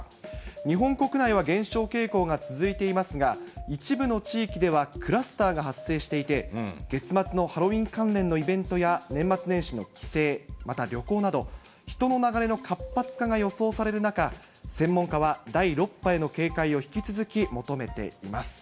日本国内は減少傾向が続いていますが、一部の地域ではクラスターが発生していて、月末のハロウィーン関連のイベントや年末年始の帰省、また旅行など人の流れの活発化が予想される中、専門家は第６波への警戒を引き続き求めています。